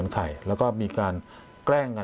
อ๋อไม่ใช่ของจริง